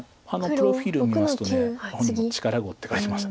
プロフィールを見ますと本人も力碁って書いてました。